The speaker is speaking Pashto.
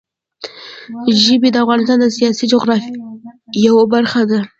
ژبې د افغانستان د سیاسي جغرافیه یوه برخه ده.